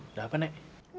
ada apa nek